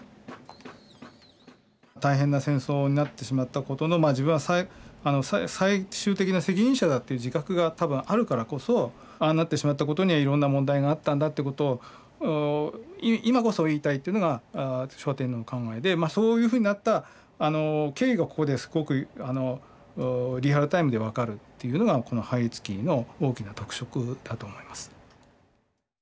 大変な戦争になってしまったことの自分は最終的な責任者だという自覚が多分あるからこそああなってしまったことにはいろんな問題があったんだということを今こそ言いたいというのが昭和天皇の考えでそういうふうになった経緯がここですごくリアルタイムで分かるというのがこの「拝謁記」の大きな特色だと思います。